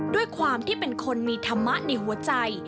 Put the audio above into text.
ด้วยความที่เป็นคนมีธรรมะในหัวใจ